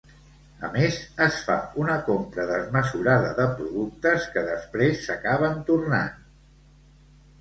A més, es fa una compra desmesurada de productes que després s'acaben tornant.